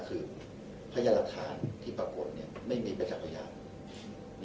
คือพยาลักษณ์ที่ปรากฏไม่มีประจักรพยาบ